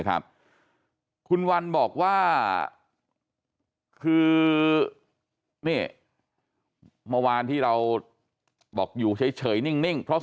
ครับคุณวันบอกว่าคือนี่เมื่อวานที่เราบอกอยู่เฉยนิ่งเพราะ